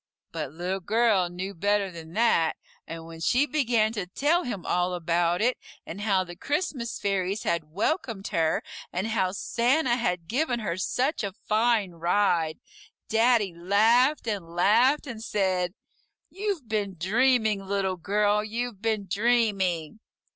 But Little Girl knew better than that, and when she began to tell him all about it, and how the Christmas fairies had welcomed her, and how Santa had given her such a fine ride, Daddy laughed and laughed, and said, "You've been dreaming, Little Girl, you've been dreaming."